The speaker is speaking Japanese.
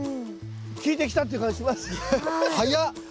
効いてきたって感じします！